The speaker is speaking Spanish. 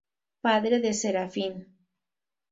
Padre de Serafín.